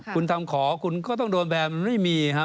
คุณทำขอคุณก็ต้องโดนแบบไม่มีครับ